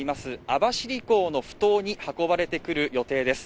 網走港の埠頭に運ばれてくる予定です